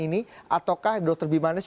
ini ataukah dr bimanes